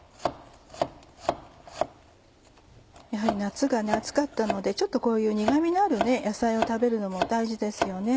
やはり夏が暑かったのでちょっとこういう苦味のある野菜を食べるのも大事ですよね。